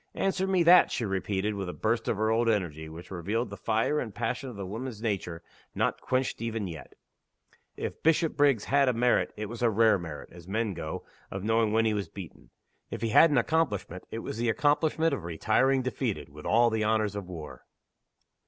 "Answer me that!" she repeated, with a burst of her old energy which revealed the fire and passion of the woman's nature, not quenched even yet! If Bishopriggs had a merit, it was a rare merit, as men go, of knowing when he was beaten. If he had an accomplishment, it was the accomplishment of retiring defeated, with all the honors of war.